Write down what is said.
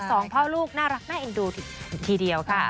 สองพ่อลูกน่ารักน่าเอ็นดูทีเดียวค่ะ